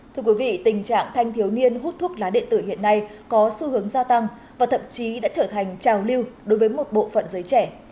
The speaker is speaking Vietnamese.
thưa quý vị tình trạng thanh thiếu niên hút thuốc lá điện tử hiện nay có xu hướng gia tăng và thậm chí đã trở thành trào lưu đối với một bộ phận giới trẻ